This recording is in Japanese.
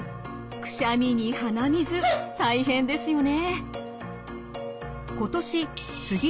くしゃみに鼻水大変ですよね。